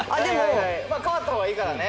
まあ変わった方がいいからね。